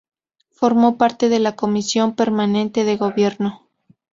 Formó parte de la Comisión permanente de Gobierno.